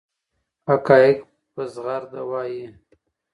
حقایق په زغرده وایي.